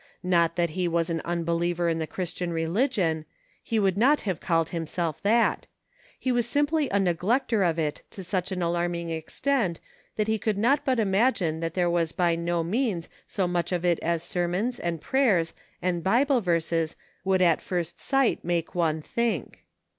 Not that he was an unbeliever in the Christian religion ; he would not have called himself that. He was simply a neglecter of it to such an alarming extent that he could not but imagine that there was by no means so much of it as sermons, and prayers, and Bible verses would at first sight make one think.